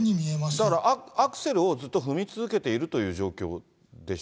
だからアクセルをずっと踏み続けているという状況でしょ。